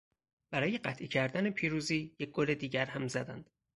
برای قطعی کردن پیروزی یک گل دیگر هم زدند.